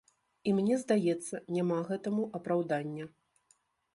І мне здаецца, няма гэтаму апраўдання.